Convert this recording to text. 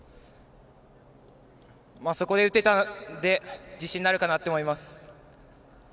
そこで打てたので自信になるかなと思います。